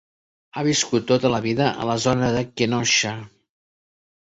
Ha viscut tota la vida a la zona de Kenosha.